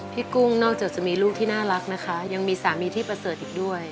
พี่กุ้งนอกจากจะมีลูกที่น่ารักนะคะยังมีสามีที่เปลี่ยนที่ประเสริฐด้วย